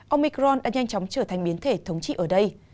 omicron đã nhanh chóng trở thành biến thể thống trị ở đây